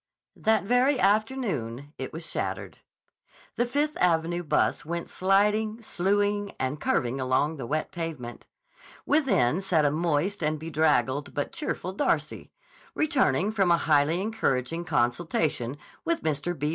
That very afternoon it was shattered. The Fifth Avenue bus went sliding, slewing, and curving along the wet pavement. Within sat a moist and bedraggled but cheerful Darcy, returning from a highly encouraging consultation with Mr. B.